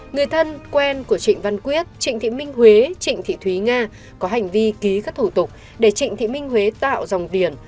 người thân quen của trịnh văn quyết trịnh thị minh huế trịnh thị thúy nga có hành vi ký các thủ tục để trịnh thị minh huế tạo dòng tiền